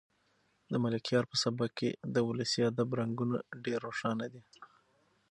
د ملکیار په سبک کې د ولسي ادب رنګونه ډېر روښانه دي.